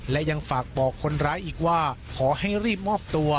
และยังฝากบอกคนร้ายอีกว่าขอให้รีบมอบตัว